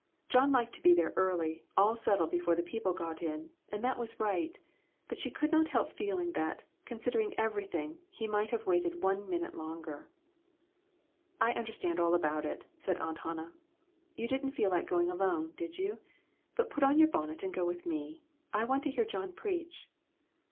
John liked to be there early and all settled before the people got in, and that was right ; but she could not help feeling that, considering every thing, he might have waited one minute longer. "I understand all about it," said Aunt Hannah. "You didn't feel like going alone, did you? But put on your bonnet and go with me. I want to hear John preach."